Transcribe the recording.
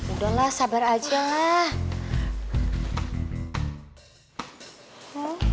udah lah sabar aja lah